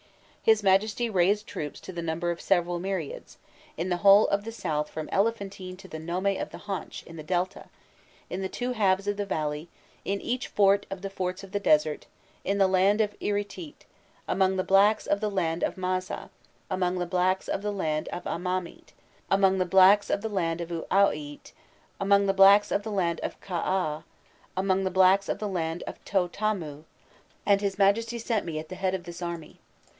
"His Majesty raised troops to the number of several myriads, in the whole of the south from Elephantine to the nome of the Haunch, in the Delta, in the two halves of the valley, in each fort of the forts of the desert, in the land of Iritît, among the blacks of the land of Maza, among the blacks of the land of Amamît, among the blacks of the land of Ûaûait, among the blacks of the land of Kaaû, among the blacks of To Tamû, and his Majesty sent me at the head of this army.